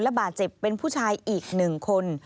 และบาดเจ็บเป็นผู้ชายอีกหนึ่งคน